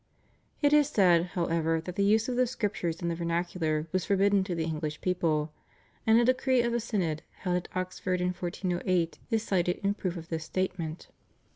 It is said, however, that the use of the Scriptures in the vernacular was forbidden to the English people, and a decree of a Synod held at Oxford in 1408 is cited in proof of this statement.